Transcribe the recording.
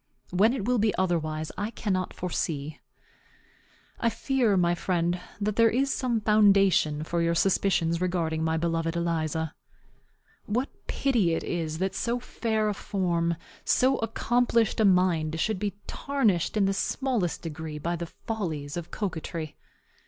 When it will be otherwise I cannot foresee. I fear, my friend, that there is some foundation for your suspicions respecting my beloved Eliza. What pity it is that so fair a form, so accomplished a mind, should be tarnished in the smallest degree by the follies of coquetry!